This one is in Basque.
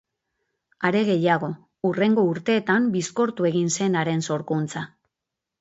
Are gehiago, hurrengo urteetan bizkortu egin zen haren sorkuntza.